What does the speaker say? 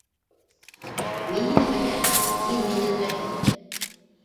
Мин һине беләм, һин мине беләһең.